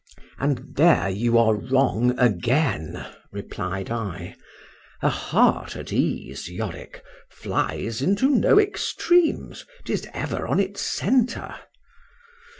— —And there you are wrong again, replied I.—A heart at ease, Yorick, flies into no extremes—'tis ever on its centre.